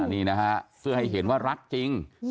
นี่นะฮะเพื่อให้เห็นว่ารักจริง